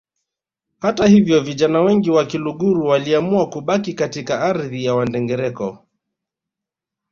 Hata hivyo vijana wengi wa Kiluguru waliamua kubaki katika ardhi ya Wandengereko